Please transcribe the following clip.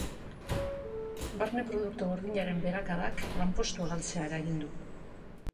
Barne produktu gordinaren beherakadak lanpostuak galtzea eragin du.